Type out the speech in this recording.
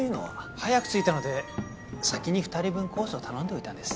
早く着いたので先に二人分コースを頼んでおいたんです